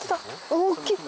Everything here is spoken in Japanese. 大きい。